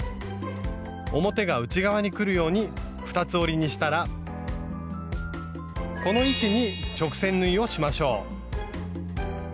表が内側に来るように二つ折りにしたらこの位置に直線縫いをしましょう。